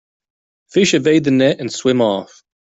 Fish evade the net and swim off.